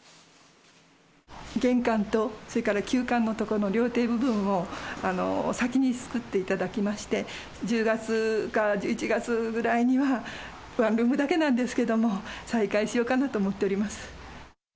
玄関と、それから旧館のとこの料亭部分を先に作っていただきまして、１０月か１１月ぐらいには、ワンルームだけなんですけれども、再開しようかなと思っております。